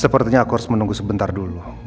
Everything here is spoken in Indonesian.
sepertinya aku harus menunggu sebentar dulu